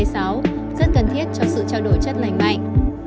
rất cần thiết cho sự trao đổi chất lành mạnh